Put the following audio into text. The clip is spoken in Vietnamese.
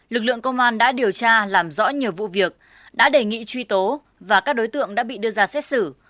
lực lượng công an đã điều tra làm rõ nhiều vụ việc đã đề nghị truy tố và các đối tượng đã bị đưa ra xét xử